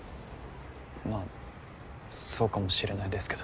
まあそうかもしれないですけど。